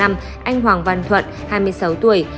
anh hoàng văn thuận hai mươi sáu tuổi